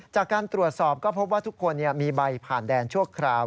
จากการตรวจสอบก็พบว่าทุกคนมีใบผ่านแดนชั่วคราว